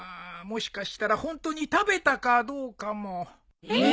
もしかしたらホントに食べたかどうかも。えっ！？